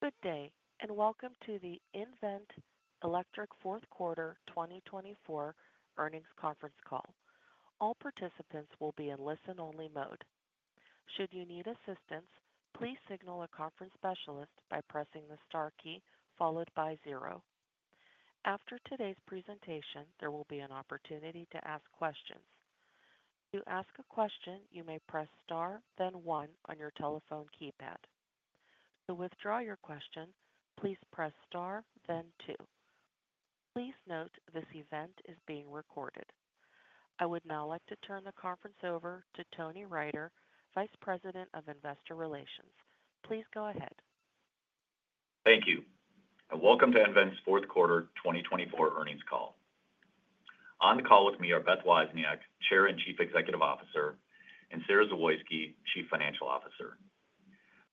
Good day, and welcome to the nVent Electric Fourth Quarter 2024 earnings conference call. All participants will be in listen-only mode. Should you need assistance, please signal a conference specialist by pressing the star key followed by zero. After today's presentation, there will be an opportunity to ask questions. To ask a question, you may press star, then one on your telephone keypad. To withdraw your question, please press star, then two. Please note this event is being recorded. I would now like to turn the conference over to Tony Riter, Vice President of Investor Relations. Please go ahead. Thank you, and welcome to nVent's Fourth Quarter 2024 Earnings call. On the call with me are Beth Wozniak, Chair and Chief Executive Officer, and Sara Zawoyski, Chief Financial Officer.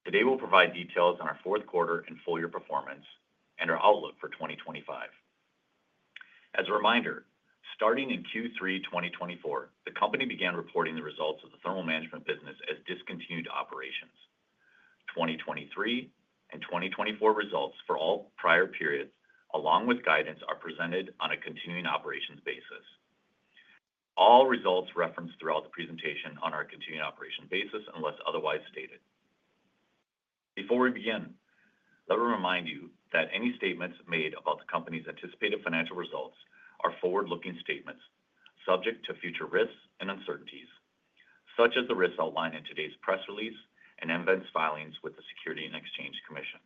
Today, we'll provide details on our fourth quarter and full-year performance and our outlook for 2025. As a reminder, starting in Q3 2024, the company began reporting the results of the Thermal Management business as discontinued operations. 2023 and 2024 results for all prior periods, along with guidance, are presented on a continuing operations basis. All results referenced throughout the presentation are on a continuing operations basis unless otherwise stated. Before we begin, let me remind you that any statements made about the company's anticipated financial results are forward-looking statements subject to future risks and uncertainties, such as the risks outlined in today's press release and nVent's filings with the Securities and Exchange Commission.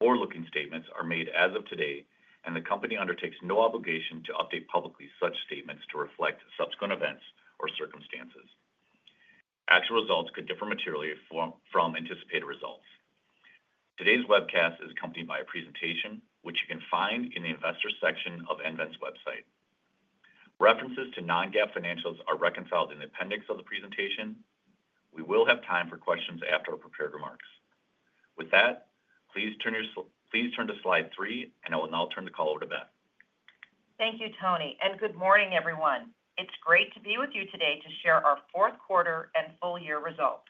Forward-looking statements are made as of today, and the company undertakes no obligation to update publicly such statements to reflect subsequent events or circumstances. Actual results could differ materially from anticipated results. Today's webcast is accompanied by a presentation, which you can find in the investor section of nVent's website. References to non-GAAP financials are reconciled in the appendix of the presentation. We will have time for questions after our prepared remarks. With that, please turn to Slide three, and I will now turn the call over to Beth. Thank you, Tony, and good morning, everyone. It's great to be with you today to share our fourth quarter and full-year results.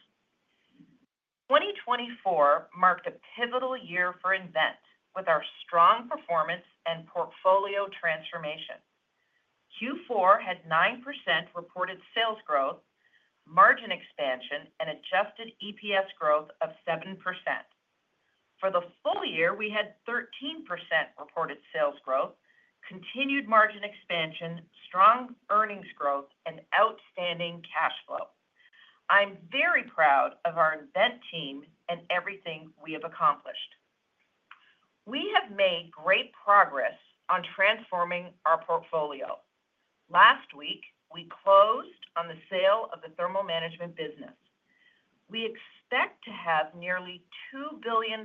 2024 marked a pivotal year for nVent with our strong performance and portfolio transformation. Q4 had 9% reported sales growth, margin expansion, and adjusted EPS growth of 7%. For the full year, we had 13% reported sales growth, continued margin expansion, strong earnings growth, and outstanding cash flow. I'm very proud of our nVent team and everything we have accomplished. We have made great progress on transforming our portfolio. Last week, we closed on the sale of the Thermal Management business. We expect to have nearly $2 billion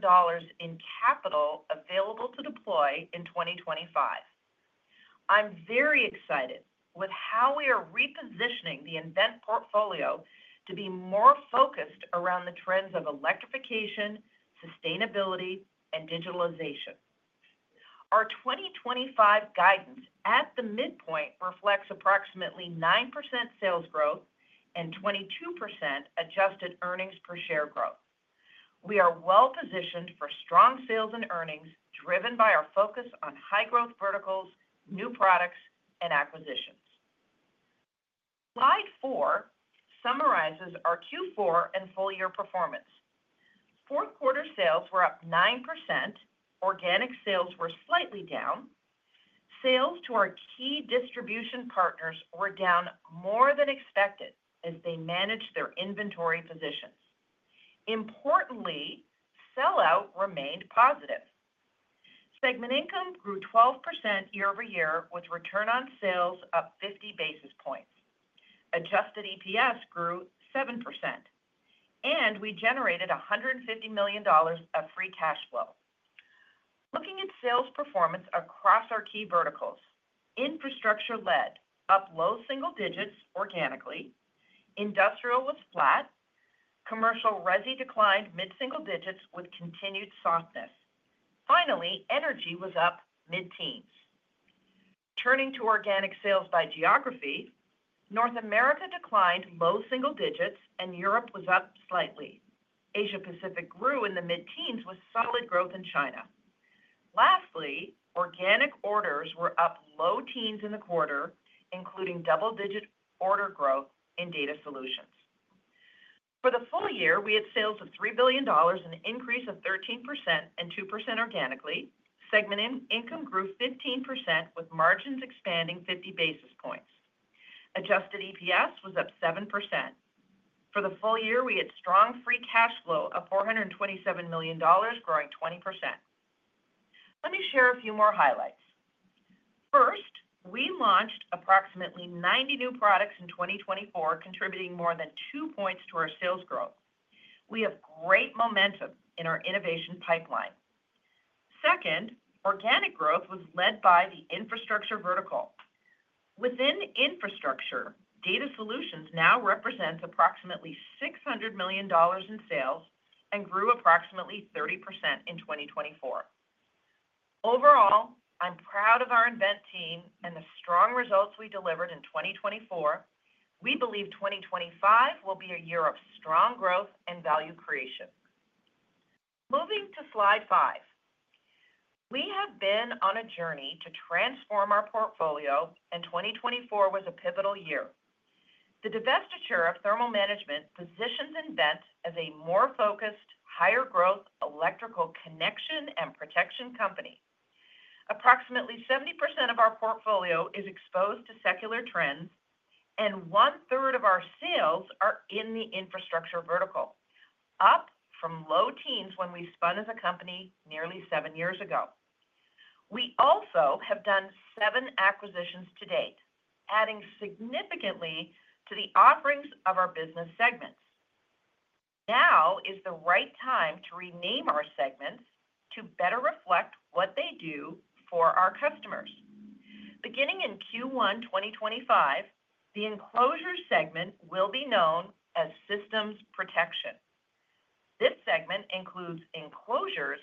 in capital available to deploy in 2025. I'm very excited with how we are repositioning the nVent portfolio to be more focused around the trends of electrification, sustainability, and digitalization. Our 2025 guidance at the midpoint reflects approximately 9% sales growth and 22% adjusted earnings per share growth. We are well-positioned for strong sales and earnings driven by our focus on high-growth verticals, new products, and acquisitions. Slide four summarizes our Q4 and full-year performance. Fourth quarter sales were up 9%. Organic sales were slightly down. Sales to our key distribution partners were down more than expected as they managed their inventory positions. Importantly, sellout remained positive. Segment income grew 12% year-over-year, with return on sales up 50 basis points. Adjusted EPS grew 7%, and we generated $150 million of free cash flow. Looking at sales performance across our key verticals, infrastructure led up low single digits organically. Industrial was flat. Commercial resi declined mid-single digits with continued softness. Finally, energy was up mid-teens. Turning to organic sales by geography, North America declined low single digits, and Europe was up slightly. Asia-Pacific grew in the mid-teens with solid growth in China. Lastly, organic orders were up low teens in the quarter, including double-digit order growth in data solutions. For the full year, we had sales of $3 billion, an increase of 13% and 2% organically. Segment income grew 15%, with margins expanding 50 basis points. Adjusted EPS was up 7%. For the full year, we had strong free cash flow of $427 million, growing 20%. Let me share a few more highlights. First, we launched approximately 90 new products in 2024, contributing more than 2 points to our sales growth. We have great momentum in our innovation pipeline. Second, organic growth was led by the infrastructure vertical. Within infrastructure, data solutions now represent approximately $600 million in sales and grew approximately 30% in 2024. Overall, I'm proud of our nVent team and the strong results we delivered in 2024. We believe 2025 will be a year of strong growth and value creation. Moving to Slide five, we have been on a journey to transform our portfolio, and 2024 was a pivotal year. The divestiture of Thermal Management positions nVent as a more focused, higher-growth electrical connections and protection company. Approximately 70% of our portfolio is exposed to secular trends, and one-third of our sales are in the infrastructure vertical, up from low teens when we spun as a company nearly seven years ago. We also have done seven acquisitions to date, adding significantly to the offerings of our business segments. Now is the right time to rename our segments to better reflect what they do for our customers. Beginning in Q1 2025, the Enclosures segment will be known as Systems Protection. This segment includes Enclosures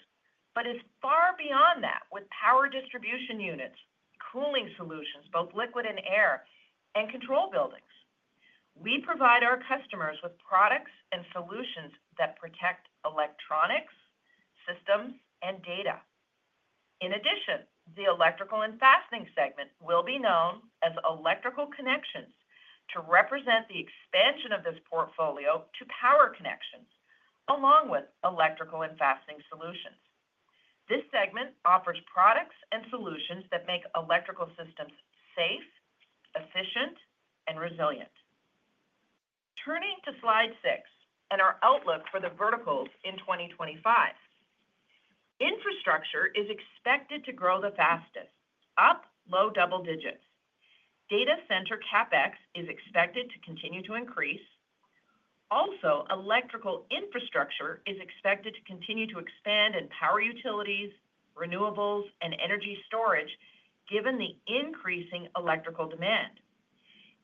but is far beyond that, with power distribution units, cooling solutions, both liquid and air, and control buildings. We provide our customers with products and solutions that protect electronics, systems, and data. In addition, the Electrical and Fastening segment will be known as Electrical Connections to represent the expansion of this portfolio to power connections, along with Electrical and Fastening solutions. This segment offers products and solutions that make electrical systems safe, efficient, and resilient. Turning to Slide six and our outlook for the verticals in 2025, infrastructure is expected to grow the fastest, up low double digits. Data center CapEx is expected to continue to increase. Also, electrical infrastructure is expected to continue to expand in power utilities, renewables, and energy storage, given the increasing electrical demand.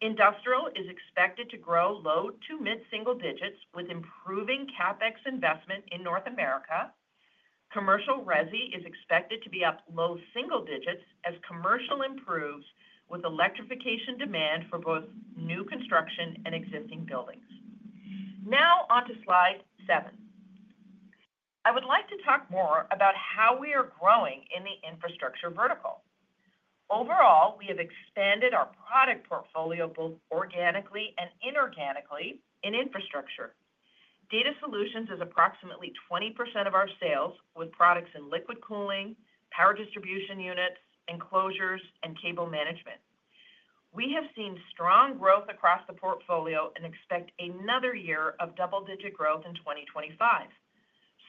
Industrial is expected to grow low to mid-single digits with improving CapEx investment in North America. Commercial resi is expected to be up low single digits as commercial improves with electrification demand for both new construction and existing buildings. Now on to Slide seven. I would like to talk more about how we are growing in the infrastructure vertical. Overall, we have expanded our product portfolio both organically and inorganically in infrastructure. Data solutions is approximately 20% of our sales, with products in liquid cooling, power distribution units, Enclosures, and cable management. We have seen strong growth across the portfolio and expect another year of double-digit growth in 2025,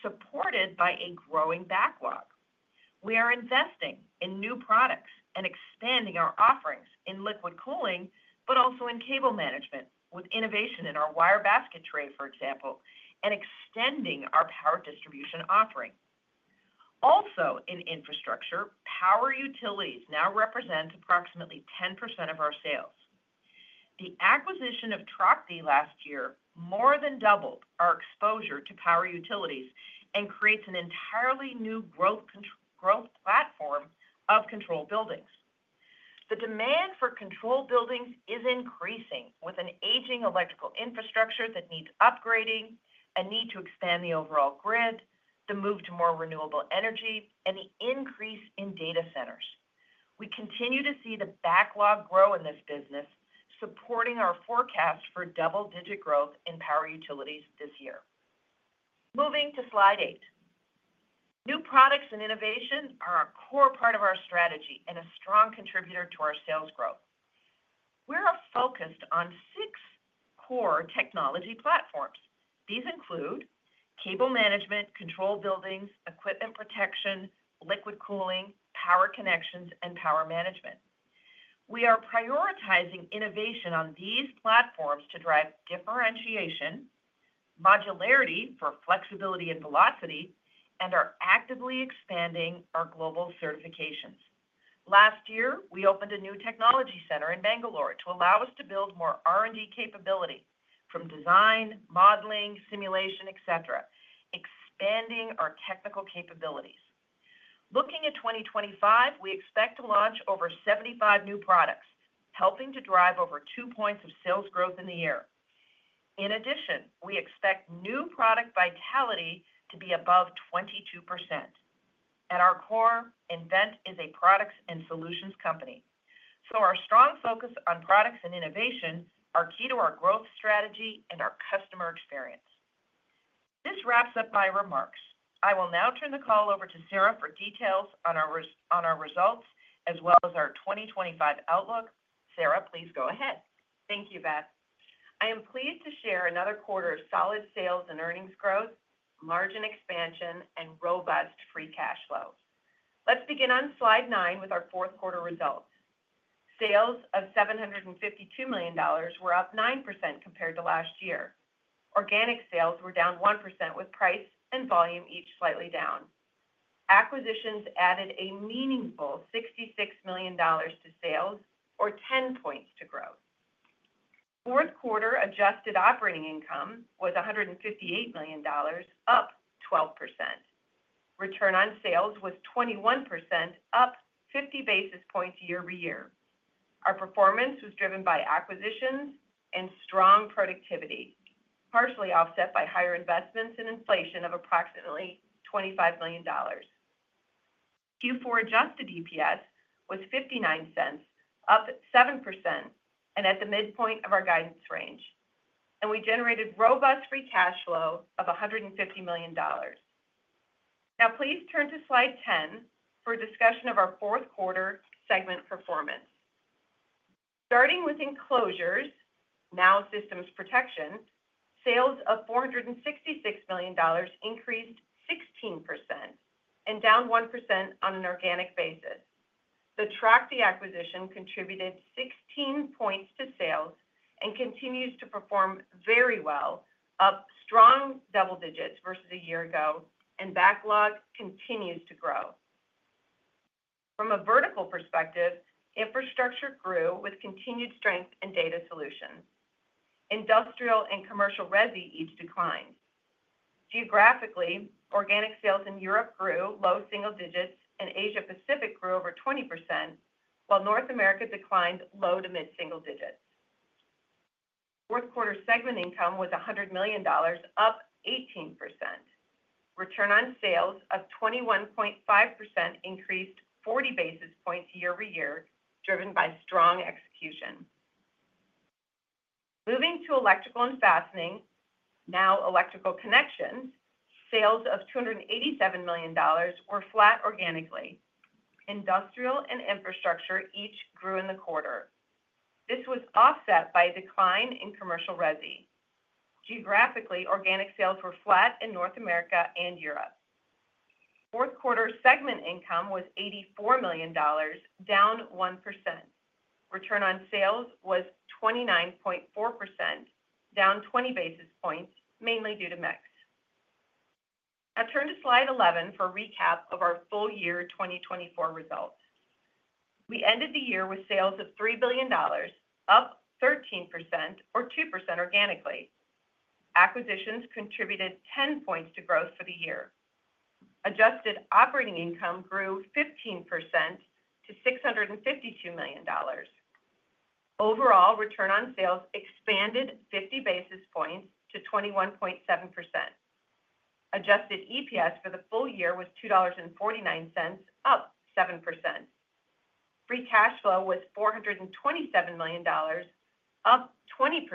supported by a growing backlog. We are investing in new products and expanding our offerings in liquid cooling, but also in cable management, with innovation in our wire basket tray, for example, and extending our power distribution offering. Also, in infrastructure, power utilities now represent approximately 10% of our sales. The acquisition of Trachte last year more than doubled our exposure to power utilities and creates an entirely new growth platform of control buildings. The demand for control buildings is increasing with an aging electrical infrastructure that needs upgrading, a need to expand the overall grid, the move to more renewable energy, and the increase in data centers. We continue to see the backlog grow in this business, supporting our forecast for double-digit growth in power utilities this year. Moving to Slide eight, new products and innovation are a core part of our strategy and a strong contributor to our sales growth. We are focused on six core technology platforms. These include cable management, control buildings, equipment protection, liquid cooling, Electrical Connections, and power management. We are prioritizing innovation on these platforms to drive differentiation, modularity for flexibility and velocity, and are actively expanding our global certifications. Last year, we opened a new technology center in Bangalore to allow us to build more R&D capability from design, modeling, simulation, etc., expanding our technical capabilities. Looking at 2025, we expect to launch over 75 new products, helping to drive over two points of sales growth in the year. In addition, we expect new product vitality to be above 22%. At our core, nVent is a products and solutions company. So our strong focus on products and innovation is key to our growth strategy and our customer experience. This wraps up my remarks. I will now turn the call over to Sara for details on our results as well as our 2025 outlook. Sara, please go ahead. Thank you, Beth. I am pleased to share another quarter of solid sales and earnings growth, margin expansion, and robust free cash flow. Let's begin on Slide nine with our fourth quarter results. Sales of $752 million were up 9% compared to last year. Organic sales were down 1%, with price and volume each slightly down. Acquisitions added a meaningful $66 million to sales, or 10 points to growth. Fourth quarter adjusted operating income was $158 million, up 12%. Return on sales was 21%, up 50 basis points year-over-year. Our performance was driven by acquisitions and strong productivity, partially offset by higher investments and inflation of approximately $25 million. Q4 adjusted EPS was $0.59, up 7%, and at the midpoint of our guidance range. And we generated robust free cash flow of $150 million. Now, please turn to Slide 10 for a discussion of our fourth quarter segment performance. Starting with Enclosures, now Systems Protection, sales of $466 million increased 16% and down 1% on an organic basis. The Trachte acquisition contributed 16 points to sales and continues to perform very well, up strong double digits versus a year ago, and backlog continues to grow. From a vertical perspective, infrastructure grew with continued strength in data solutions. Industrial and commercial resi each declined. Geographically, organic sales in Europe grew low single digits, and Asia-Pacific grew over 20%, while North America declined low to mid-single digits. Fourth quarter segment income was $100 million, up 18%. Return on sales of 21.5% increased 40 basis points year-over-year, driven by strong execution. Moving to Electrical and Fastening, now Electrical Connections, sales of $287 million were flat organically. Industrial and infrastructure each grew in the quarter. This was offset by a decline in commercial resi. Geographically, organic sales were flat in North America and Europe. Fourth quarter segment income was $84 million, down 1%. Return on sales was 29.4%, down 20 basis points, mainly due to mix. Now turn to Slide 11 for a recap of our full year 2024 results. We ended the year with sales of $3 billion, up 13%, or 2% organically. Acquisitions contributed 10 points to growth for the year. Adjusted operating income grew 15% to $652 million. Overall, return on sales expanded 50 basis points to 21.7%. Adjusted EPS for the full year was $2.49, up 7%. Free cash flow was $427 million, up 20%,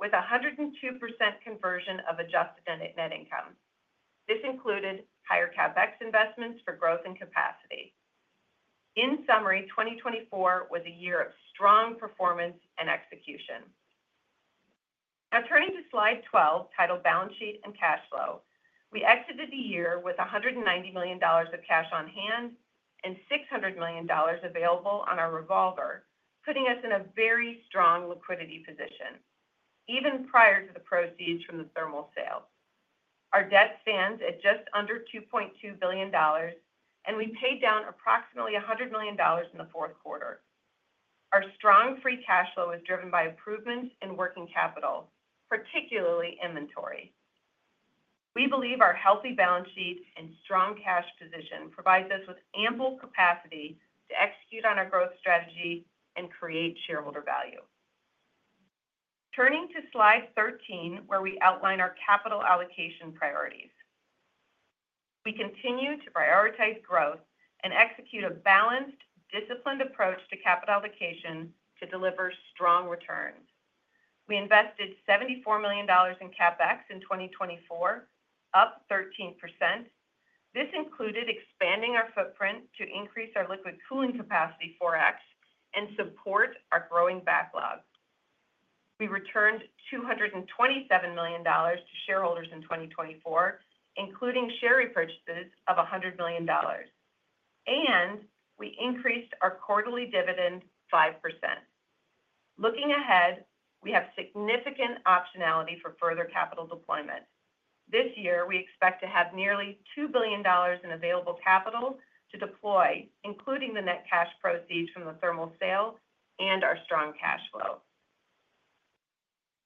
with a 102% conversion of adjusted net income. This included higher CapEx investments for growth and capacity. In summary, 2024 was a year of strong performance and execution. Now turning to Slide 12, titled Balance Sheet and Cash Flow, we exited the year with $190 million of cash on hand and $600 million available on our revolver, putting us in a very strong liquidity position, even prior to the proceeds from the thermal sales. Our debt stands at just under $2.2 billion, and we paid down approximately $100 million in the fourth quarter. Our strong free cash flow is driven by improvements in working capital, particularly inventory. We believe our healthy balance sheet and strong cash position provides us with ample capacity to execute on our growth strategy and create shareholder value. Turning to Slide 13, where we outline our capital allocation priorities. We continue to prioritize growth and execute a balanced, disciplined approach to capital allocation to deliver strong returns. We invested $74 million in CapEx in 2024, up 13%. This included expanding our footprint to increase our liquid cooling capacity 4X and support our growing backlog. We returned $227 million to shareholders in 2024, including share repurchases of $100 million. And we increased our quarterly dividend 5%. Looking ahead, we have significant optionality for further capital deployment. This year, we expect to have nearly $2 billion in available capital to deploy, including the net cash proceeds from the thermal sale and our strong cash flow.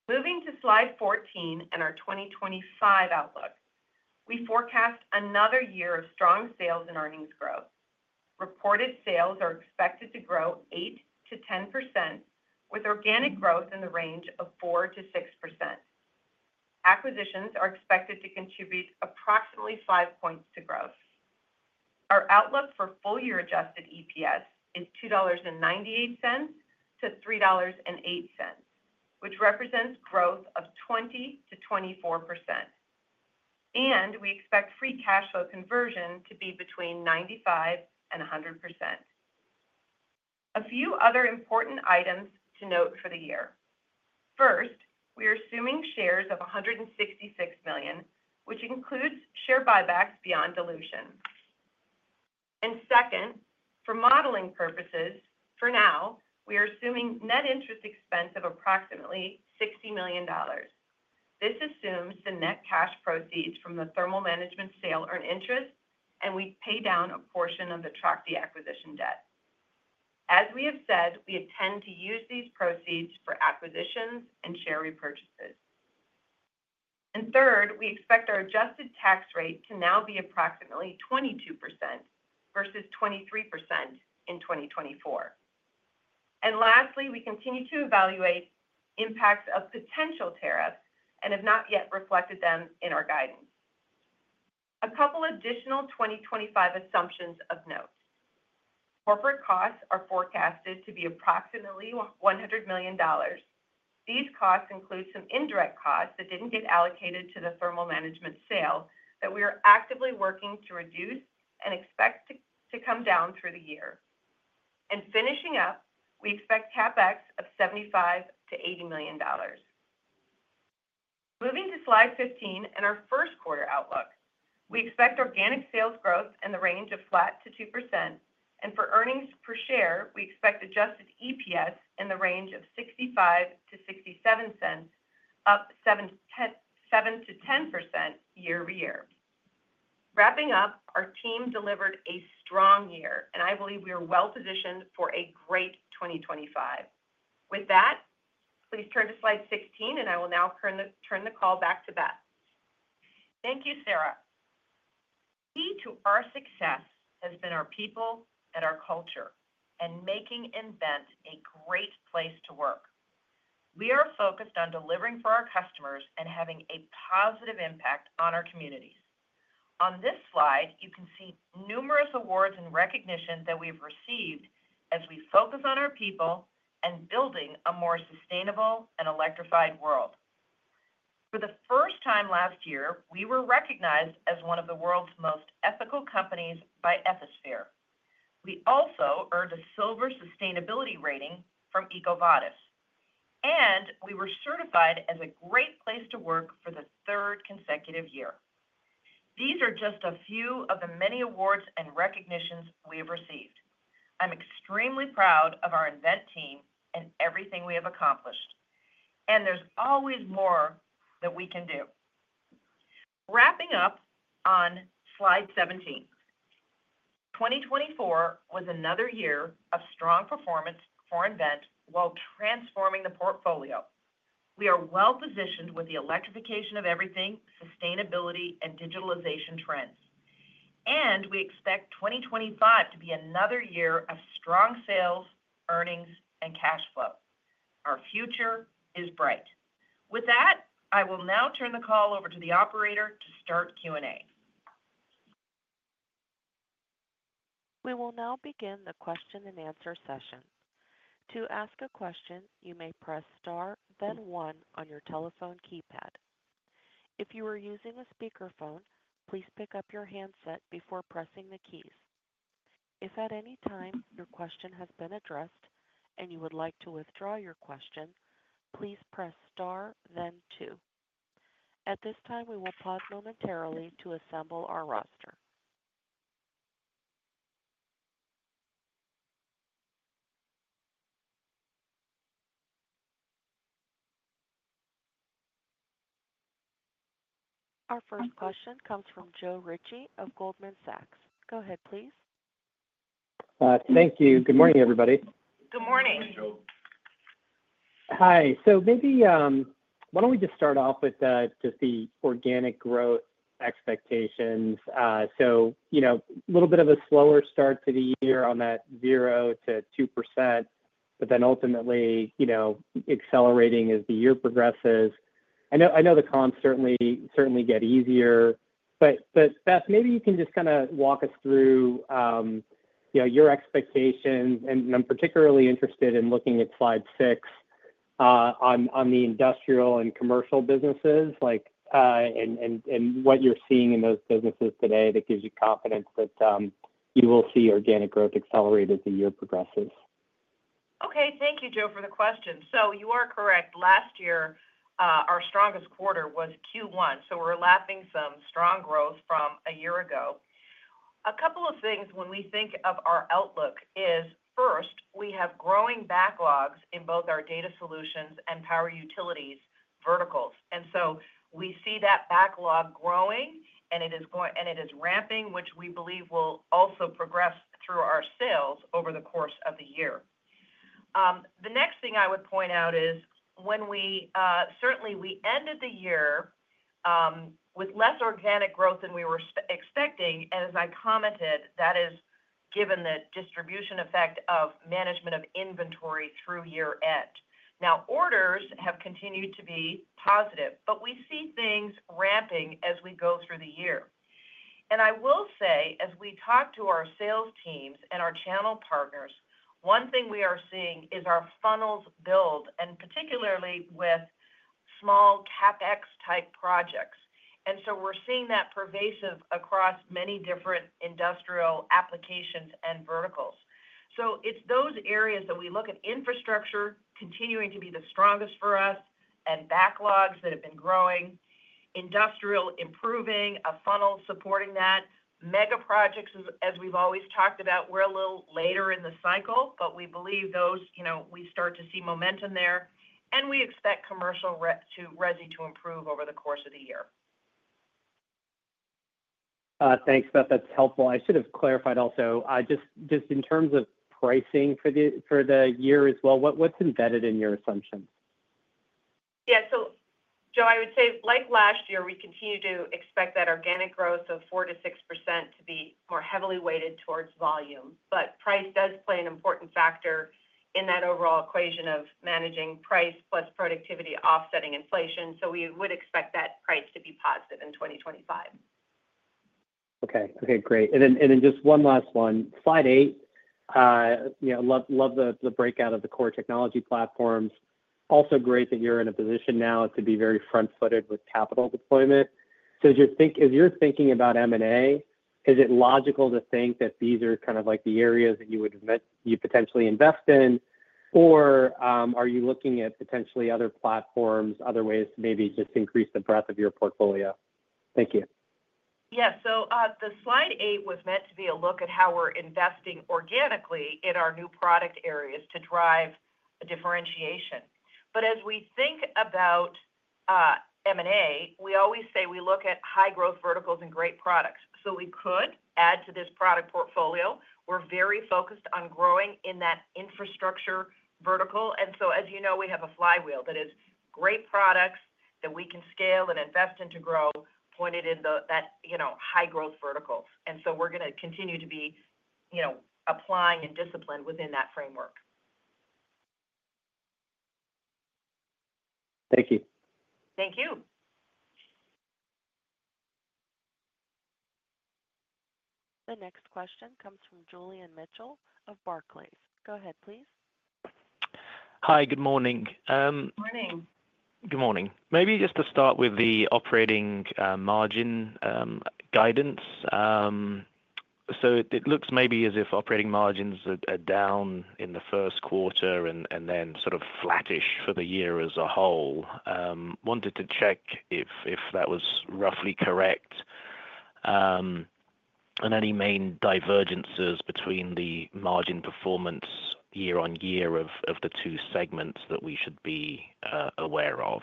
Moving to Slide 14 and our 2025 outlook, we forecast another year of strong sales and earnings growth. Reported sales are expected to grow 8%-10%, with organic growth in the range of 4%-6%. Acquisitions are expected to contribute approximately 5 points to growth. Our outlook for full-year adjusted EPS is $2.98-$3.08, which represents growth of 20%-24%. We expect free cash flow conversion to be between 95% and 100%. A few other important items to note for the year. First, we are assuming 166 million shares, which includes share buybacks beyond dilution. Second, for modeling purposes, for now, we are assuming net interest expense of approximately $60 million. This assumes the net cash proceeds from the Thermal Management sale earned interest, and we pay down a portion of the Trachte acquisition debt. As we have said, we intend to use these proceeds for acquisitions and share repurchases. Third, we expect our adjusted tax rate to now be approximately 22% versus 23% in 2024. Lastly, we continue to evaluate impacts of potential tariffs and have not yet reflected them in our guidance. A couple of additional 2025 assumptions of note. Corporate costs are forecasted to be approximately $100 million. These costs include some indirect costs that didn't get allocated to the Thermal Management sale that we are actively working to reduce and expect to come down through the year, and finishing up, we expect CapEx of $75 million-$80 million. Moving to Slide 15 and our first quarter outlook, we expect organic sales growth in the range of flat to 2%, and for earnings per share, we expect adjusted EPS in the range of $0.65-$0.67, up 7%-10% year-over-year. Wrapping up, our team delivered a strong year, and I believe we are well positioned for a great 2025. With that, please turn to Slide 16, and I will now turn the call back to Beth. Thank you, Sara. Key to our success has been our people and our culture and making nVent a Great Place to Work. We are focused on delivering for our customers and having a positive impact on our communities. On this slide, you can see numerous awards and recognition that we've received as we focus on our people and building a more sustainable and electrified world. For the first time last year, we were recognized as one of the world's most ethical companies by Ethisphere. We also earned a Silver Sustainability rating from EcoVadis. And we were certified as a Great Place to Work for the third consecutive year. These are just a few of the many awards and recognitions we have received. I'm extremely proud of our nVent team and everything we have accomplished. And there's always more that we can do. Wrapping up on Slide 17, 2024 was another year of strong performance for nVent while transforming the portfolio. We are well positioned with the electrification of everything, sustainability, and digitalization trends. And we expect 2025 to be another year of strong sales, earnings, and cash flow. Our future is bright. With that, I will now turn the call over to the operator to start Q&A. We will now begin the question-and-answer session. To ask a question, you may press Star, then one on your telephone keypad. If you are using a speakerphone, please pick up your handset before pressing the keys. If at any time your question has been addressed and you would like to withdraw your question, please press Star, then 2. At this time, we will pause momentarily to assemble our roster. Our first question comes from Joe Ritchie of Goldman Sachs. Go ahead, please. Thank you. Good morning, everybody. Good morning. Hi. So maybe why don't we just start off with just the organic growth expectations? So a little bit of a slower start to the year on that 0%-2%, but then ultimately accelerating as the year progresses. I know the comps certainly get easier. But Beth, maybe you can just kind of walk us through your expectations. And I'm particularly interested in looking at Slide 6 on the industrial and commercial businesses and what you're seeing in those businesses today that gives you confidence that you will see organic growth accelerate as the year progresses. Okay. Thank you, Joe, for the question. So you are correct. Last year, our strongest quarter was Q1. So we're lapping some strong growth from a year ago. A couple of things when we think of our outlook is, first, we have growing backlogs in both our data solutions and power utilities verticals. And so we see that backlog growing, and it is ramping, which we believe will also progress through our sales over the course of the year. The next thing I would point out is when we certainly ended the year with less organic growth than we were expecting. And as I commented, that is given the distribution effect of management of inventory through year-end. Now, orders have continued to be positive, but we see things ramping as we go through the year. I will say, as we talk to our sales teams and our channel partners, one thing we are seeing is our funnels build, and particularly with small CapEx-type projects. We're seeing that pervasive across many different industrial applications and verticals. It's those areas that we look at: Infrastructure continuing to be the strongest for us, and backlogs that have been growing, Industrial improving, a funnel supporting that, mega projects, as we've always talked about. We're a little later in the cycle, but we believe those we start to see momentum there. We expect Commercial resi to improve over the course of the year. Thanks, Beth. That's helpful. I should have clarified also, just in terms of pricing for the year as well, what's embedded in your assumptions? Yeah. So Joe, I would say, like last year, we continue to expect that organic growth of 4%-6% to be more heavily weighted towards volume. But price does play an important factor in that overall equation of managing price plus productivity offsetting inflation. So we would expect that price to be positive in 2025. Okay. Okay. Great. And then just one last one. Slide 8, love the breakout of the core technology platforms. Also great that you're in a position now to be very front-footed with capital deployment. So as you're thinking about M&A, is it logical to think that these are kind of like the areas that you would potentially invest in? Or are you looking at potentially other platforms, other ways to maybe just increase the breadth of your portfolio? Thank you. Yeah, so the Slide 8 was meant to be a look at how we're investing organically in our new product areas to drive a differentiation, but as we think about M&A, we always say we look at high-growth verticals and great products, so we could add to this product portfolio. We're very focused on growing in that infrastructure vertical, and so, as you know, we have a flywheel that is great products that we can scale and invest in to grow, pointed in that high-growth vertical, and so we're going to continue to be applying and disciplined within that framework. Thank you. Thank you. The next question comes from Julian Mitchell of Barclays. Go ahead, please. Hi. Good morning. Good morning. Good morning. Maybe just to start with the operating margin guidance. So it looks maybe as if operating margins are down in the first quarter and then sort of flattish for the year as a whole. Wanted to check if that was roughly correct. And any main divergences between the margin performance year-on-year of the two segments that we should be aware of?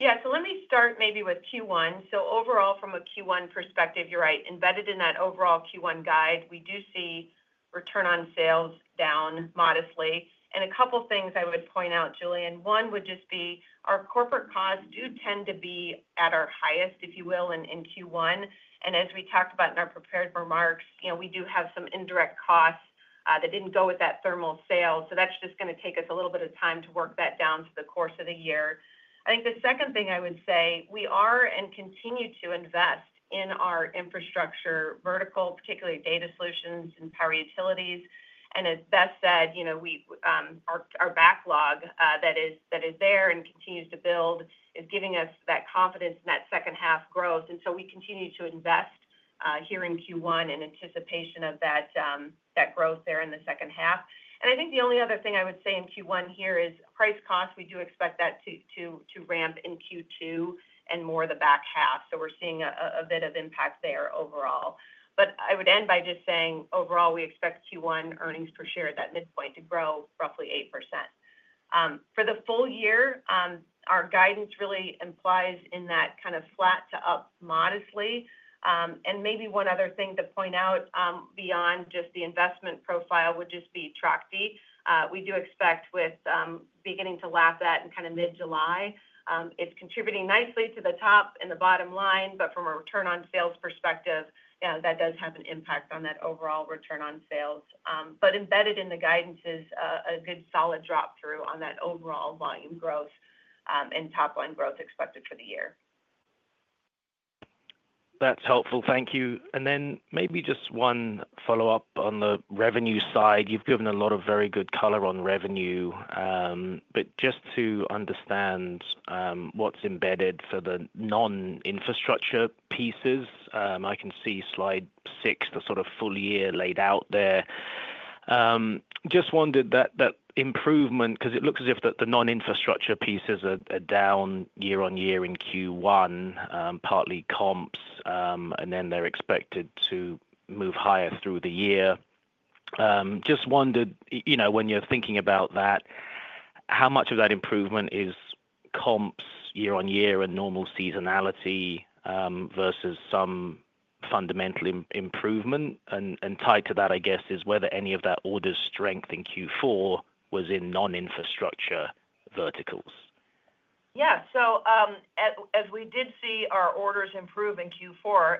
Yeah. So let me start maybe with Q1. So overall, from a Q1 perspective, you're right. Embedded in that overall Q1 guide, we do see return on sales down modestly. And a couple of things I would point out, Julian. One would just be our corporate costs do tend to be at our highest, if you will, in Q1. And as we talked about in our prepared remarks, we do have some indirect costs that didn't go with that thermal sale. So that's just going to take us a little bit of time to work that down over the course of the year. I think the second thing I would say, we are and continue to invest in our infrastructure vertical, particularly data solutions and power utilities. And as Beth said, our backlog that is there and continues to build is giving us that confidence in that second-half growth. And so we continue to invest here in Q1 in anticipation of that growth there in the second half. And I think the only other thing I would say in Q1 here is price costs. We do expect that to ramp in Q2 and more the back half. So we're seeing a bit of impact there overall. But I would end by just saying, overall, we expect Q1 earnings per share at that midpoint to grow roughly 8%. For the full year, our guidance really implies in that kind of flat to up modestly. And maybe one other thing to point out beyond just the investment profile would just be Trachte. We do expect with beginning to lap that in kind of mid-July. It's contributing nicely to the top and the bottom line. But from a return on sales perspective, that does have an impact on that overall return on sales. But embedded in the guidance is a good solid drop through on that overall volume growth and top-line growth expected for the year. That's helpful. Thank you. And then maybe just one follow-up on the revenue side. You've given a lot of very good color on revenue. But just to understand what's embedded for the non-infrastructure pieces, I can see Slide 6, the sort of full year laid out there. Just wondered that improvement because it looks as if the non-infrastructure pieces are down year-on-year in Q1, partly comps, and then they're expected to move higher through the year. Just wondered, when you're thinking about that, how much of that improvement is comps year-on-year and normal seasonality versus some fundamental improvement? And tied to that, I guess, is whether any of that order strength in Q4 was in non-infrastructure verticals. Yeah. So as we did see our orders improve in Q4,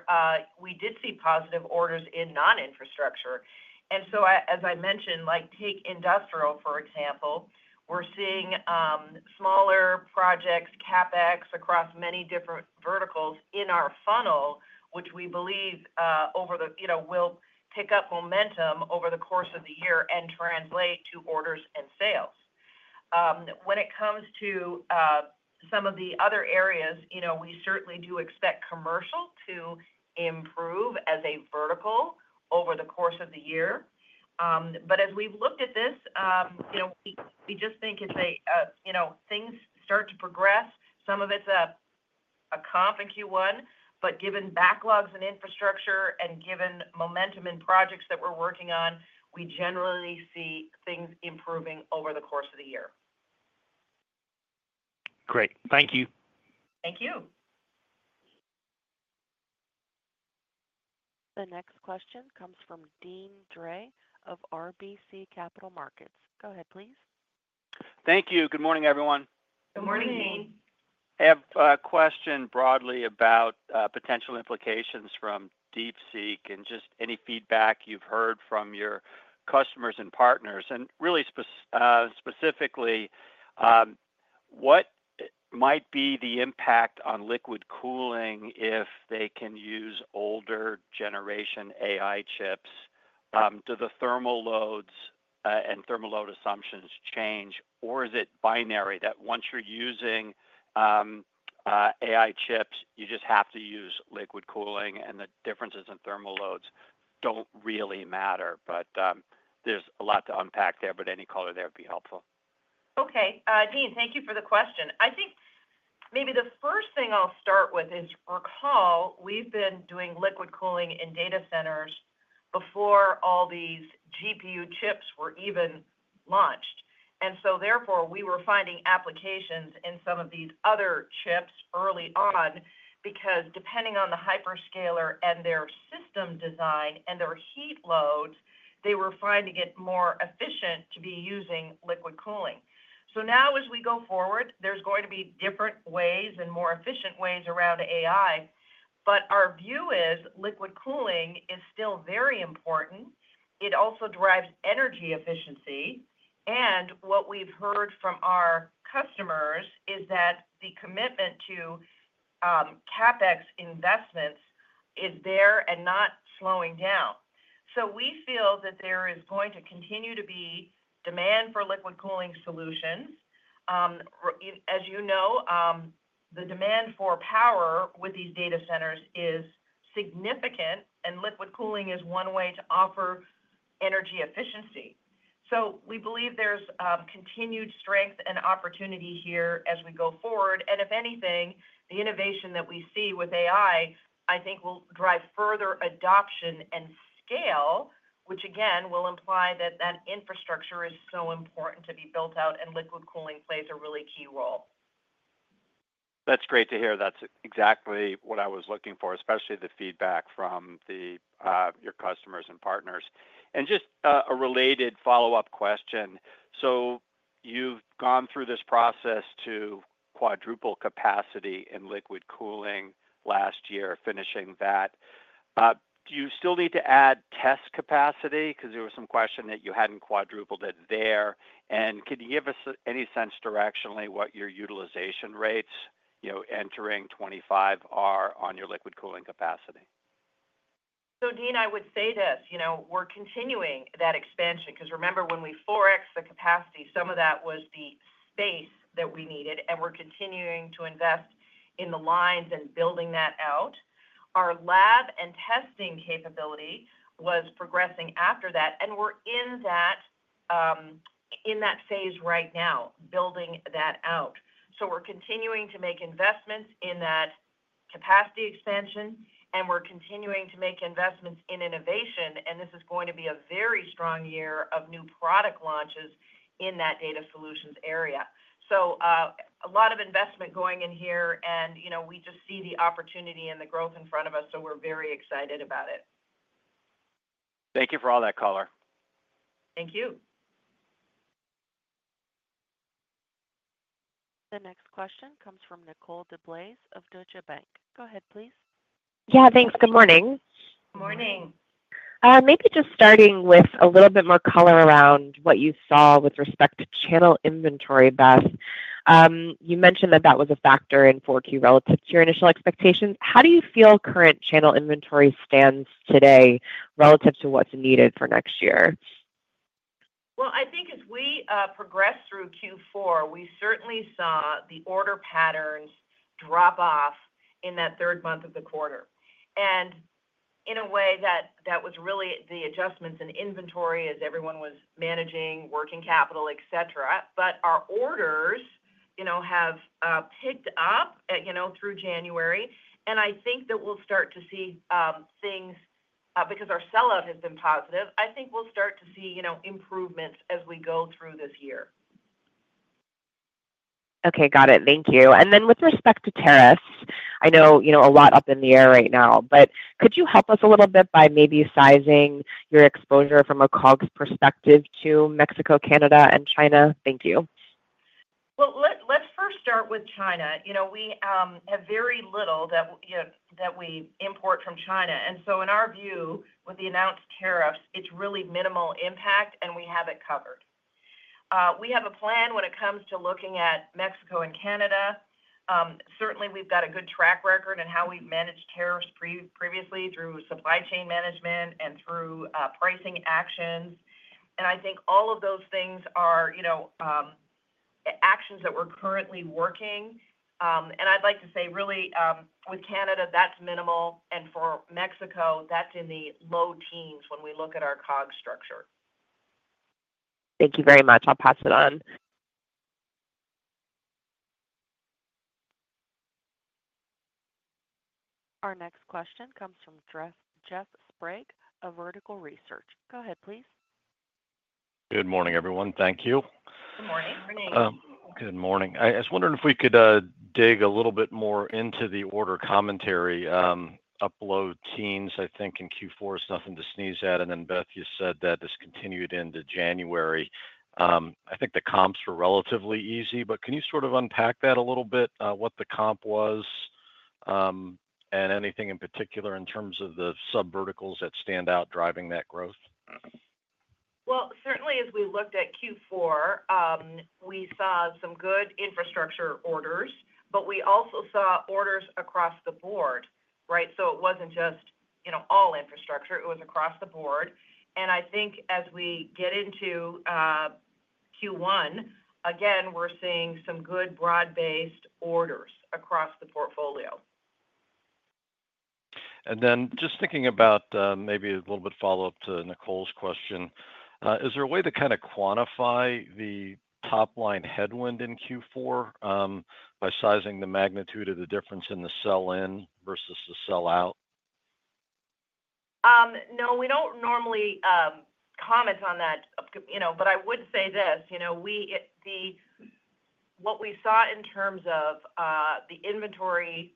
we did see positive orders in non-infrastructure. And so, as I mentioned, take industrial, for example. We're seeing smaller projects, CapEx across many different verticals in our funnel, which we believe will pick up momentum over the course of the year and translate to orders and sales. When it comes to some of the other areas, we certainly do expect commercial to improve as a vertical over the course of the year. But as we've looked at this, we just think it's as things start to progress. Some of it's the comp in Q1. But given backlogs in infrastructure and given momentum in projects that we're working on, we generally see things improving over the course of the year. Great. Thank you. Thank you. The next question comes from Deane Drey of RBC Capital Markets. Go ahead, please. Thank you. Good morning, everyone. Good morning, Deane. I have a question broadly about potential implications from DeepSeek and just any feedback you've heard from your customers and partners, and really specifically, what might be the impact on liquid cooling if they can use older generation AI chips? Do the thermal loads and thermal load assumptions change, or is it binary that once you're using AI chips, you just have to use liquid cooling and the differences in thermal loads don't really matter, but there's a lot to unpack there, but any color there would be helpful. Okay. Dean, thank you for the question. I think maybe the first thing I'll start with is recall we've been doing liquid cooling in data centers before all these GPU chips were even launched. And so therefore, we were finding applications in some of these other chips early on because depending on the hyperscaler and their system design and their heat loads, they were finding it more efficient to be using liquid cooling. So now as we go forward, there's going to be different ways and more efficient ways around AI. But our view is liquid cooling is still very important. It also drives energy efficiency. And what we've heard from our customers is that the commitment to CapEx investments is there and not slowing down. So we feel that there is going to continue to be demand for liquid cooling solutions. As you know, the demand for power with these data centers is significant, and liquid cooling is one way to offer energy efficiency. So we believe there's continued strength and opportunity here as we go forward. And if anything, the innovation that we see with AI, I think, will drive further adoption and scale, which again will imply that that infrastructure is so important to be built out, and liquid cooling plays a really key role. That's great to hear. That's exactly what I was looking for, especially the feedback from your customers and partners, and just a related follow-up question, so you've gone through this process to quadruple capacity in liquid cooling last year, finishing that. Do you still need to add test capacity? Because there was some question that you hadn't quadrupled it there, and can you give us any sense directionally what your utilization rates entering 2025 are on your liquid cooling capacity? So Dean, I would say this. We're continuing that expansion. Because remember, when we 4Xed the capacity, some of that was the space that we needed, and we're continuing to invest in the lines and building that out. Our lab and testing capability was progressing after that, and we're in that phase right now, building that out. So we're continuing to make investments in that capacity expansion, and we're continuing to make investments in innovation. And this is going to be a very strong year of new product launches in that data solutions area. So a lot of investment going in here, and we just see the opportunity and the growth in front of us, so we're very excited about it. Thank you for all that, caller. Thank you. The next question comes from Nicole DeBlase of Deutsche Bank. Go ahead, please. Yeah. Thanks. Good morning. Good morning. Maybe just starting with a little bit more color around what you saw with respect to channel inventory, Beth. You mentioned that that was a factor in 4Q relative to your initial expectations. How do you feel current channel inventory stands today relative to what's needed for next year? I think as we progressed through Q4, we certainly saw the order patterns drop off in that third month of the quarter. In a way, that was really the adjustments in inventory as everyone was managing working capital, etc. Our orders have picked up through January. I think that we'll start to see things because our sellout has been positive. I think we'll start to see improvements as we go through this year. Okay. Got it. Thank you. And then with respect to tariffs, I know a lot's up in the air right now. But could you help us a little bit by maybe sizing your exposure from a COGS perspective to Mexico, Canada, and China? Thank you. Let's first start with China, we have very little that we import from China, and so in our view, with the announced tariffs, it's really minimal impact, and we have it covered. We have a plan when it comes to looking at Mexico and Canada. Certainly, we've got a good track record in how we've managed tariffs previously through supply chain management and through pricing actions, and I think all of those things are actions that we're currently working, and I'd like to say, really, with Canada, that's minimal, and for Mexico, that's in the low teens when we look at our COGS structure. Thank you very much. I'll pass it on. Our next question comes from Jeff Sprague of Vertical Research Partners. Go ahead, please. Good morning, everyone. Thank you. Good morning. Good morning. Good morning. I was wondering if we could dig a little bit more into the order commentary. Up low teens, I think, in Q4 is nothing to sneeze at. And then, Beth, you said that this continued into January. I think the comps were relatively easy. But can you sort of unpack that a little bit, what the comp was and anything in particular in terms of the subverticals that stand out driving that growth? Certainly, as we looked at Q4, we saw some good infrastructure orders, but we also saw orders across the board, right? So it wasn't just all infrastructure. It was across the board. And I think as we get into Q1, again, we're seeing some good broad-based orders across the portfolio. Then just thinking about maybe a little bit of follow-up to Nicole's question, is there a way to kind of quantify the top-line headwind in Q4 by sizing the magnitude of the difference in the sell-in versus the sell-out? No, we don't normally comment on that. But I would say this. What we saw in terms of the inventory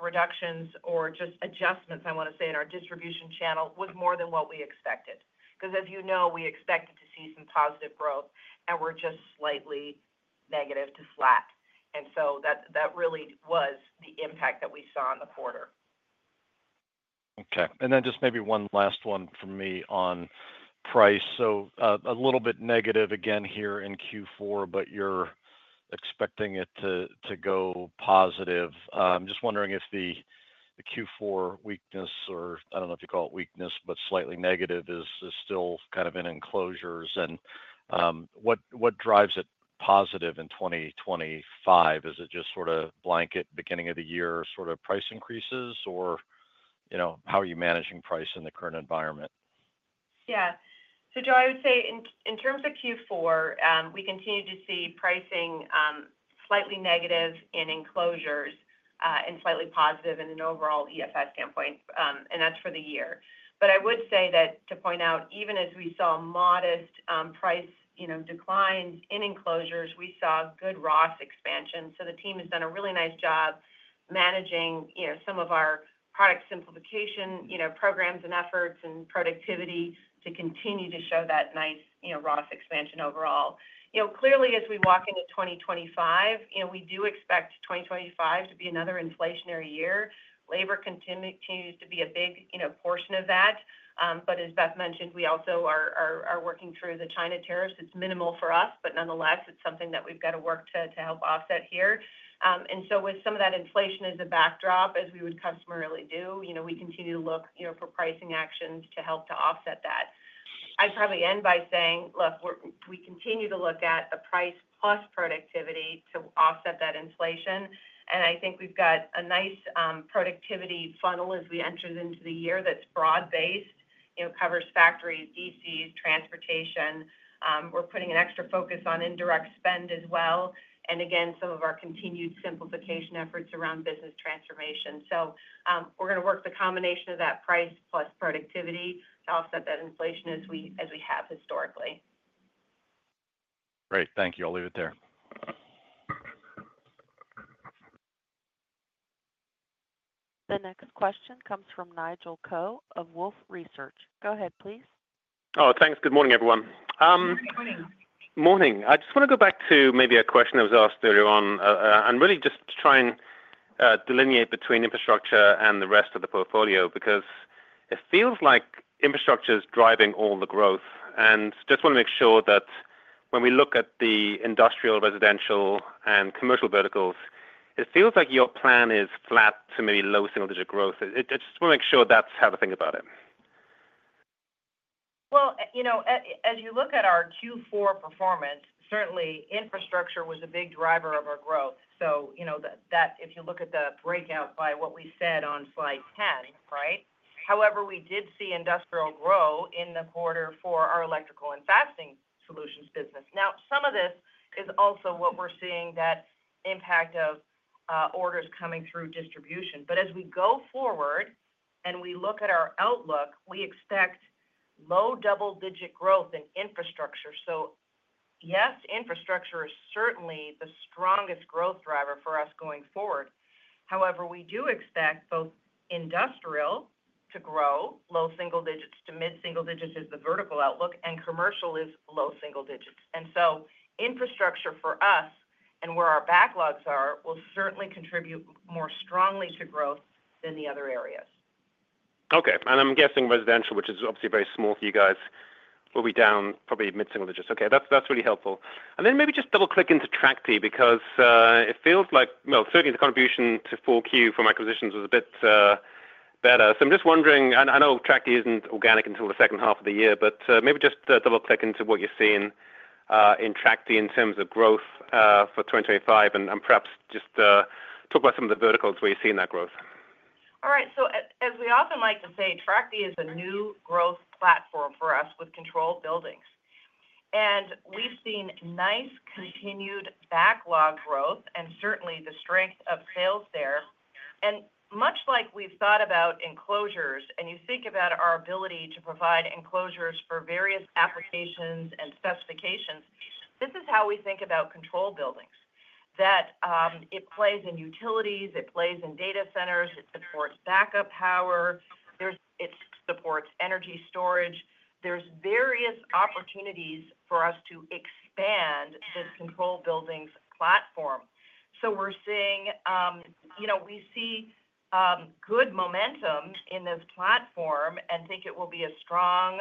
reductions or just adjustments, I want to say, in our distribution channel was more than what we expected. Because as you know, we expected to see some positive growth, and we're just slightly negative to flat. And so that really was the impact that we saw in the quarter. Okay. And then just maybe one last one from me on price. So a little bit negative again here in Q4, but you're expecting it to go positive. I'm just wondering if the Q4 weakness, or I don't know if you call it weakness, but slightly negative is still kind of in Enclosures. And what drives it positive in 2025? Is it just sort of blanket beginning of the year sort of price increases, or how are you managing price in the current environment? Yeah, so I would say in terms of Q4, we continue to see pricing slightly negative in Enclosures and slightly positive in an overall EFS standpoint, and that's for the year, but I would say that to point out, even as we saw modest price declines in Enclosures, we saw good ROS expansion, so the team has done a really nice job managing some of our product simplification programs and efforts and productivity to continue to show that nice ROS expansion overall. Clearly, as we walk into 2025, we do expect 2025 to be another inflationary year. Labor continues to be a big portion of that, but as Beth mentioned, we also are working through the China tariffs. It's minimal for us, but nonetheless, it's something that we've got to work to help offset here. With some of that inflation as a backdrop, as we would customarily do, we continue to look for pricing actions to help to offset that. I'd probably end by saying, look, we continue to look at the price plus productivity to offset that inflation. I think we've got a nice productivity funnel as we enter into the year that's broad-based, covers factories, DCs, transportation. We're putting an extra focus on indirect spend as well. Again, some of our continued simplification efforts around business transformation. We're going to work the combination of that price plus productivity to offset that inflation as we have historically. Great. Thank you. I'll leave it there. The next question comes from Nigel Coe of Wolfe Research. Go ahead, please. Oh, thanks. Good morning, everyone. Good morning. Morning. I just want to go back to maybe a question that was asked earlier on and really just try and delineate between infrastructure and the rest of the portfolio because it feels like infrastructure is driving all the growth. And just want to make sure that when we look at the industrial, residential, and commercial verticals, it feels like your plan is flat to maybe low single-digit growth. I just want to make sure that's how to think about it. As you look at our Q4 performance, certainly, infrastructure was a big driver of our growth. If you look at the breakout by what we said on Slide 10, right? However, we did see industrial grow in the quarter for our Electrical and Fastening solutions business. Now, some of this is also what we're seeing that impact of orders coming through distribution. As we go forward and we look at our outlook, we expect low double-digit growth in infrastructure. Yes, infrastructure is certainly the strongest growth driver for us going forward. However, we do expect both industrial to grow, low single digits to mid-single digits is the vertical outlook, and commercial is low single digits. Infrastructure for us and where our backlogs are will certainly contribute more strongly to growth than the other areas. Okay. And I'm guessing residential, which is obviously very small for you guys, will be down probably mid-single digits. Okay. That's really helpful. And then maybe just double-click into Trachte because it feels like, well, certainly the contribution to 4Q from acquisitions was a bit better. So I'm just wondering, and I know Trachte isn't organic until the second half of the year, but maybe just double-click into what you're seeing in Trachte in terms of growth for 2025 and perhaps just talk about some of the verticals where you're seeing that growth. All right. So as we often like to say, Trachte is a new growth platform for us with control buildings. And we've seen nice continued backlog growth and certainly the strength of sales there. And much like we've thought about Enclosures, and you think about our ability to provide Enclosures for various applications and specifications, this is how we think about control buildings. That it plays in utilities, it plays in data centers, it supports backup power, it supports energy storage. There's various opportunities for us to expand this control buildings platform. So we're seeing good momentum in this platform and think it will be a strong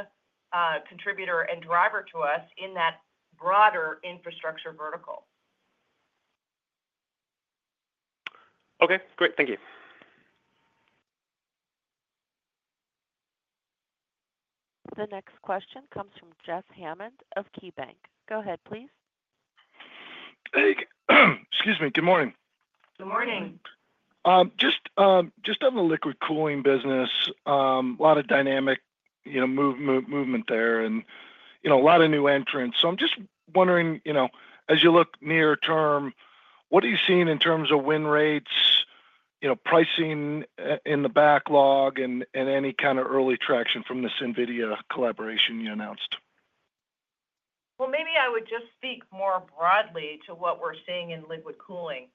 contributor and driver to us in that broader infrastructure vertical. Okay. Great. Thank you. The next question comes from Jeff Hammond of KeyBanc. Go ahead, please. Hey. Excuse me. Good morning. Good morning. Just on the liquid cooling business, a lot of dynamic movement there and a lot of new entrants. So I'm just wondering, as you look near term, what are you seeing in terms of win rates, pricing in the backlog, and any kind of early traction from this NVIDIA collaboration you announced? Maybe I would just speak more broadly to what we're seeing in liquid cooling.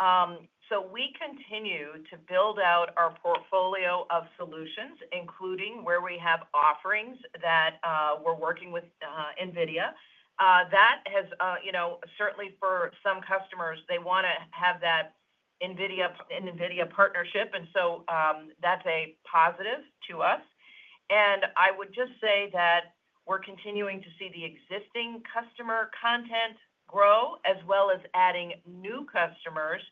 So we continue to build out our portfolio of solutions, including where we have offerings that we're working with NVIDIA. That has certainly, for some customers, they want to have that NVIDIA partnership. And so that's a positive to us. And I would just say that we're continuing to see the existing customer content grow as well as adding new customers.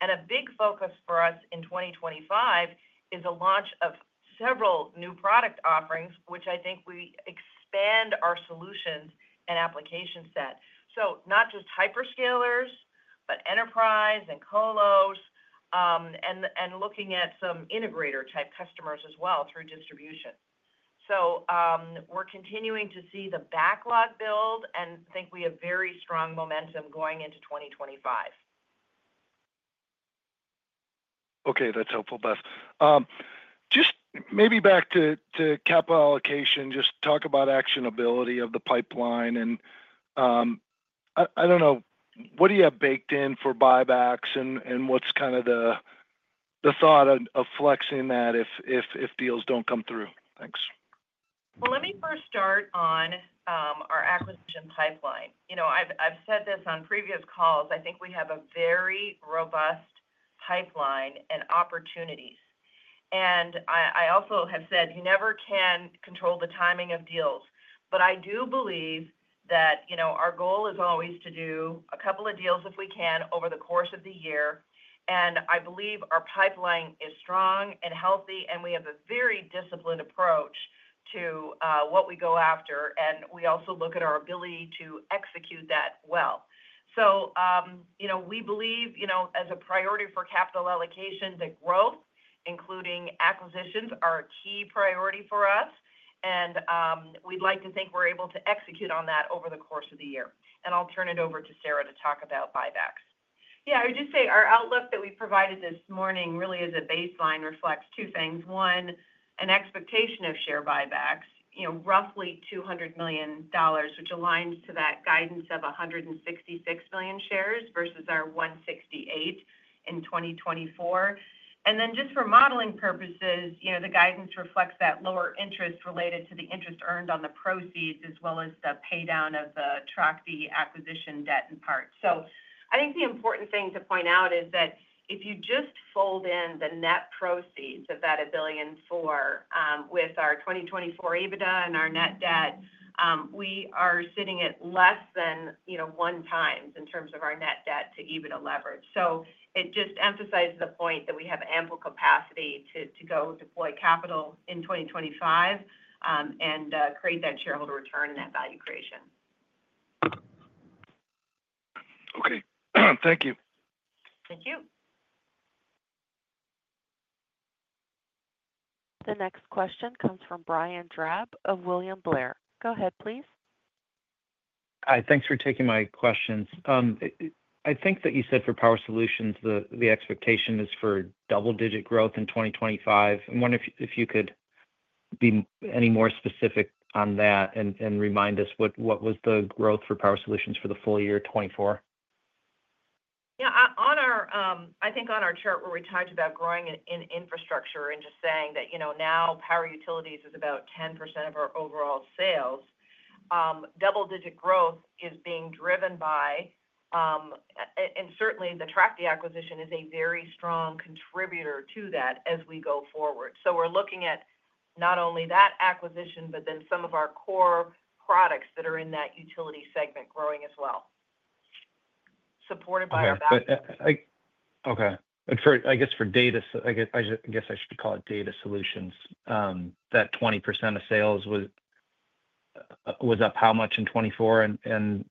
And a big focus for us in 2025 is the launch of several new product offerings, which I think we expand our solutions and application set. So not just hyperscalers, but enterprise and colos, and looking at some integrator-type customers as well through distribution. So we're continuing to see the backlog build and think we have very strong momentum going into 2025. Okay. That's helpful, Beth. Just maybe back to capital allocation, just talk about actionability of the pipeline. And I don't know, what do you have baked in for buybacks and what's kind of the thought of flexing that if deals don't come through? Thanks. Let me first start on our acquisition pipeline. I've said this on previous calls. I think we have a very robust pipeline and opportunities. I also have said you never can control the timing of deals. I do believe that our goal is always to do a couple of deals if we can over the course of the year. I believe our pipeline is strong and healthy, and we have a very disciplined approach to what we go after. We also look at our ability to execute that well. We believe as a priority for capital allocation, the growth, including acquisitions, are a key priority for us. We'd like to think we're able to execute on that over the course of the year. I'll turn it over to Sara to talk about buybacks. Yeah. I would just say our outlook that we provided this morning really as a baseline reflects two things. One, an expectation of share buybacks, roughly $200 million, which aligns to that guidance of 166 million shares versus our 168 in 2024, and then just for modeling purposes, the guidance reflects that lower interest related to the interest earned on the proceeds as well as the paydown of the Trachte acquisition debt in part, so I think the important thing to point out is that if you just fold in the net proceeds of that $1 billion with our 2024 EBITDA and our net debt, we are sitting at less than one times in terms of our net debt to EBITDA leverage, so it just emphasizes the point that we have ample capacity to go deploy capital in 2025 and create that shareholder return and that value creation. Okay. Thank you. Thank you. The next question comes from Brian Drab of William Blair. Go ahead, please. Hi. Thanks for taking my questions. I think that you said for Power Solutions, the expectation is for double-digit growth in 2025. I wonder if you could be any more specific on that and remind us what was the growth for Power Solutions for the full year 2024? Yeah. I think on our chart where we talked about growing in infrastructure and just saying that now power utilities is about 10% of our overall sales. Double-digit growth is being driven by, and certainly the Trachte acquisition is a very strong contributor to that as we go forward. So we're looking at not only that acquisition, but then some of our core products that are in that utility segment growing as well, supported by our backlog. Okay. I guess for data, I guess I should call it data solutions, that 20% of sales was up how much in 2024? And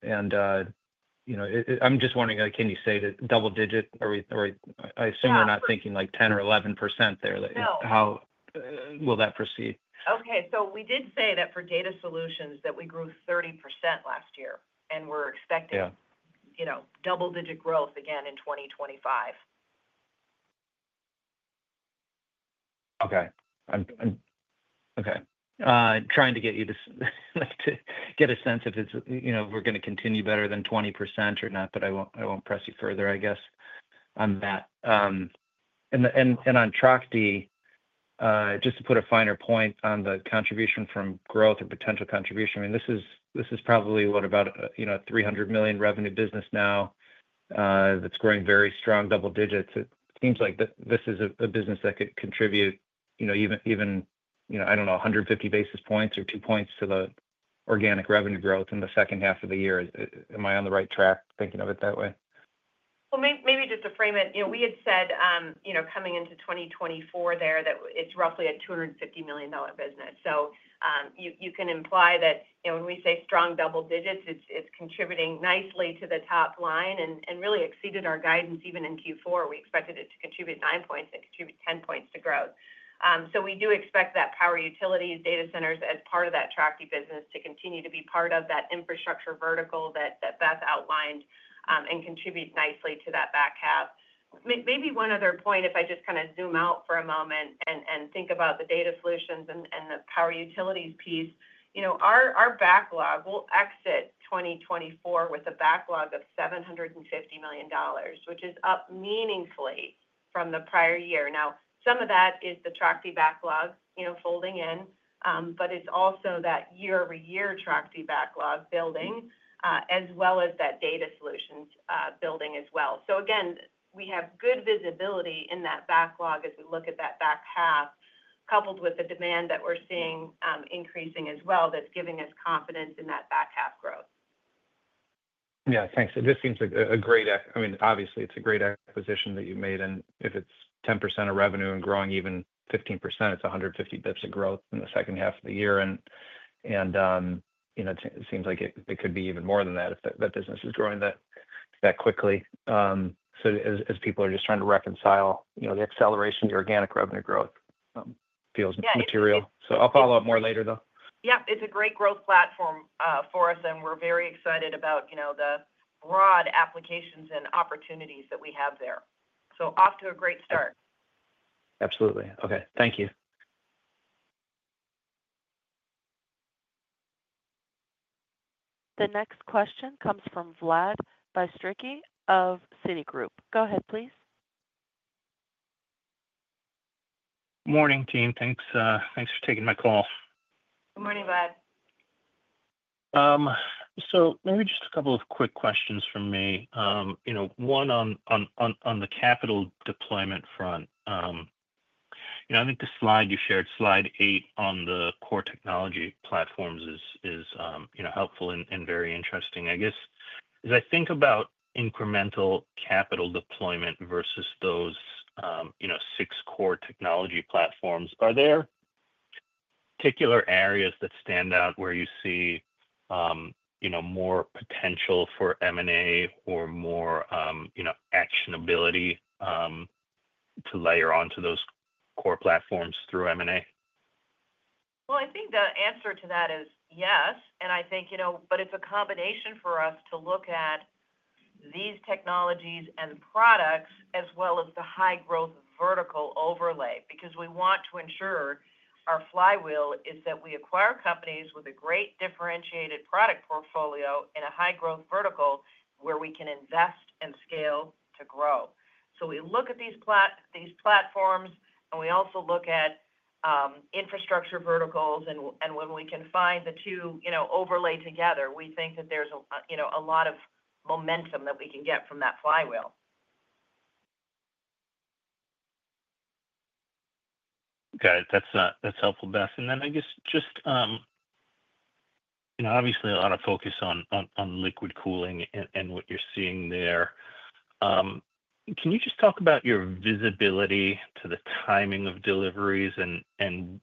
I'm just wondering, can you say that double-digit? I assume we're not thinking like 10% or 11% there. How will that proceed? Okay. So we did say that for data solutions that we grew 30% last year, and we're expecting double-digit growth again in 2025. Okay. Okay. Trying to get you to get a sense if we're going to continue better than 20% or not, but I won't press you further, I guess, on that. And on Trachte, just to put a finer point on the contribution from growth or potential contribution, I mean, this is probably what, about a $300 million revenue business now that's growing very strong double digits. It seems like this is a business that could contribute even, I don't know, 150 basis points or two points to the organic revenue growth in the second half of the year. Am I on the right track thinking of it that way? Maybe just to frame it, we had said coming into 2024 there that it's roughly a $250 million business. So you can imply that when we say strong double digits, it's contributing nicely to the top line and really exceeded our guidance even in Q4. We expected it to contribute 9 points and contribute 10 points to growth. So we do expect that power utilities, data centers as part of that Trachte business to continue to be part of that infrastructure vertical that Beth outlined and contribute nicely to that back half. Maybe one other point, if I just kind of zoom out for a moment and think about the data solutions and the power utilities piece, our backlog will exit 2024 with a backlog of $750 million, which is up meaningfully from the prior year. Now, some of that is the Trachte backlog folding in, but it's also that year-over-year Trachte backlog building as well as that data solutions building as well. So again, we have good visibility in that backlog as we look at that back half, coupled with the demand that we're seeing increasing as well that's giving us confidence in that back half growth. Yeah. Thanks. It just seems like a great. I mean, obviously, it's a great acquisition that you've made. And if it's 10% of revenue and growing even 15%, it's 150 basis points of growth in the second half of the year. And it seems like it could be even more than that if that business is growing that quickly. So as people are just trying to reconcile the acceleration, the organic revenue growth feels material. So I'll follow up more later, though. Yep. It's a great growth platform for us, and we're very excited about the broad applications and opportunities that we have there. So off to a great start. Absolutely. Okay. Thank you. The next question comes from Vlad Bystricky of Citigroup. Go ahead, please. Morning, team. Thanks for taking my call. Good morning, Vlad. So maybe just a couple of quick questions from me. One on the capital deployment front. I think the slide you shared, Slide eight on the core technology platforms, is helpful and very interesting. I guess, as I think about incremental capital deployment versus those six core technology platforms, are there particular areas that stand out where you see more potential for M&A or more actionability to layer onto those core platforms through M&A? I think the answer to that is yes. I think, but it's a combination for us to look at these technologies and products as well as the high-growth vertical overlay because we want to ensure our flywheel is that we acquire companies with a great differentiated product portfolio in a high-growth vertical where we can invest and scale to grow. We look at these platforms, and we also look at infrastructure verticals. When we can find the two overlay together, we think that there's a lot of momentum that we can get from that flywheel. Okay. That's helpful, Beth. And then I guess just obviously a lot of focus on liquid cooling and what you're seeing there. Can you just talk about your visibility to the timing of deliveries and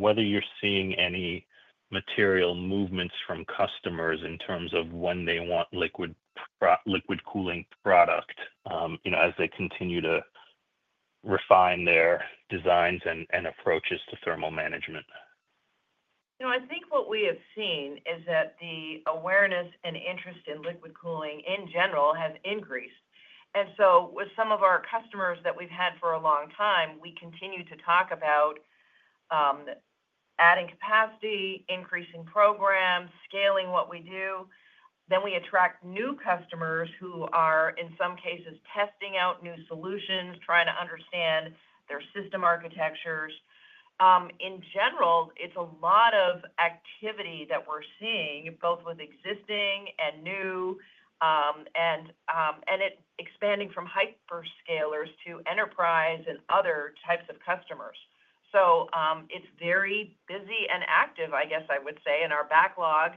whether you're seeing any material movements from customers in terms of when they want liquid cooling product as they continue to refine their designs and approaches to Thermal Management? I think what we have seen is that the awareness and interest in liquid cooling in general has increased, and so with some of our customers that we've had for a long time, we continue to talk about adding capacity, increasing programs, scaling what we do, then we attract new customers who are, in some cases, testing out new solutions, trying to understand their system architectures. In general, it's a lot of activity that we're seeing, both with existing and new, and it's expanding from hyperscalers to enterprise and other types of customers, so it's very busy and active, I guess I would say, and our backlog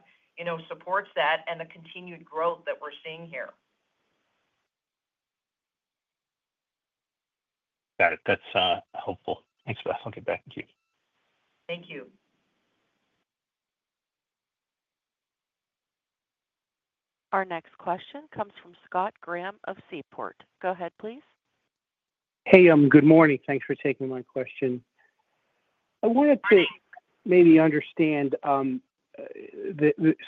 supports that and the continued growth that we're seeing here. Got it. That's helpful. Thanks, Beth. I'll get back to you. Thank you. Our next question comes from Scott Graham of Seaport. Go ahead, please. Hey, good morning. Thanks for taking my question. I wanted to maybe understand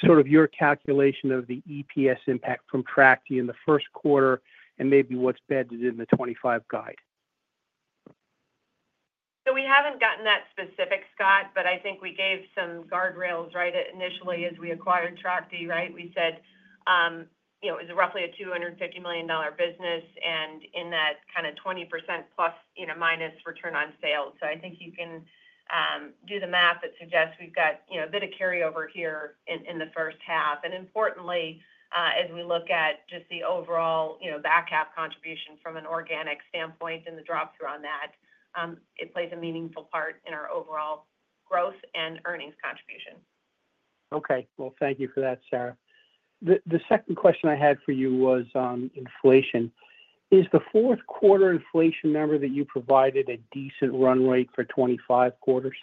sort of your calculation of the EPS impact from Trachte in the first quarter and maybe what's embedded in the 2025 guide. So we haven't gotten that specific, Scott, but I think we gave some guardrails, right, initially as we acquired Trachte, right? We said it was roughly a $250 million business and in that kind of 20% plus minus return on sales. So I think you can do the math that suggests we've got a bit of carryover here in the first half. And importantly, as we look at just the overall back half contribution from an organic standpoint and the drop-through on that, it plays a meaningful part in our overall growth and earnings contribution. Okay. Well, thank you for that, Sara. The second question I had for you was inflation. Is the fourth quarter inflation number that you provided a decent run rate for 2025 quarters?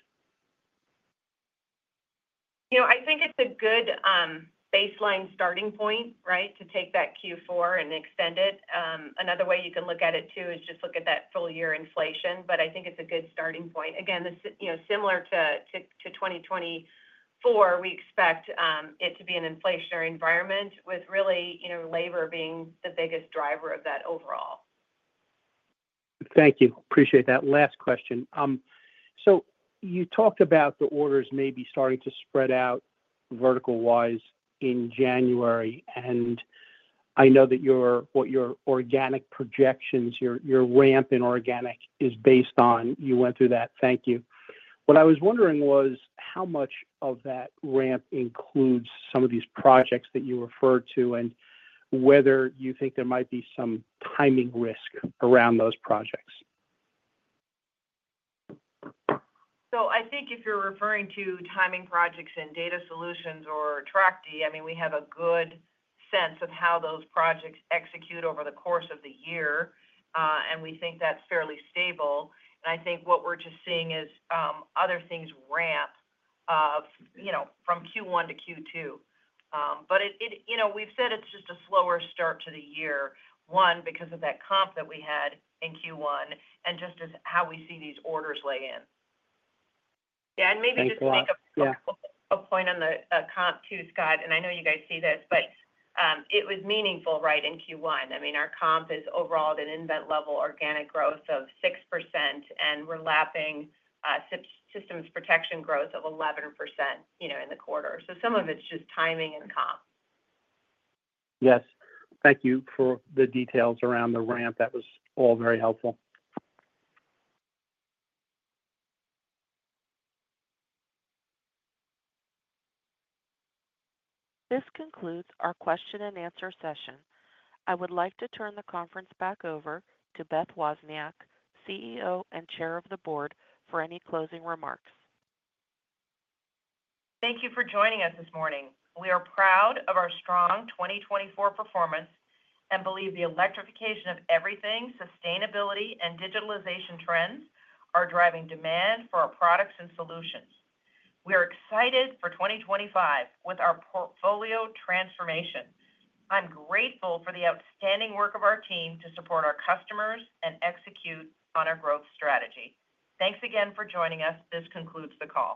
I think it's a good baseline starting point, right, to take that Q4 and extend it. Another way you can look at it too is just look at that full year inflation, but I think it's a good starting point. Again, similar to 2024, we expect it to be an inflationary environment with really labor being the biggest driver of that overall. Thank you. Appreciate that. Last question, so you talked about the orders maybe starting to spread out vertical-wise in January, and I know that what your organic projections, your ramp in organic, is based on. You went through that. Thank you. What I was wondering was how much of that ramp includes some of these projects that you referred to and whether you think there might be some timing risk around those projects. So I think if you're referring to timing projects in data solutions or Trachte, I mean, we have a good sense of how those projects execute over the course of the year, and we think that's fairly stable. And I think what we're just seeing is other things ramp from Q1 to Q2. But we've said it's just a slower start to the year, one, because of that comp that we had in Q1 and just how we see these orders lay in. Yeah. And maybe just to make a point on the comp too, Scott, and I know you guys see this, but it was meaningful, right, in Q1. I mean, our comp is overall at an nVent-level organic growth of 6%, and we're lapping Systems Protection growth of 11% in the quarter. So some of it's just timing and comp. Yes. Thank you for the details around the ramp. That was all very helpful. This concludes our question-and-answer session. I would like to turn the conference back over to Beth Wozniak, CEO and Chair of the Board, for any closing remarks. Thank you for joining us this morning. We are proud of our strong 2024 performance and believe the electrification of everything, sustainability, and digitalization trends are driving demand for our products and solutions. We are excited for 2025 with our portfolio transformation. I'm grateful for the outstanding work of our team to support our customers and execute on our growth strategy. Thanks again for joining us. This concludes the call.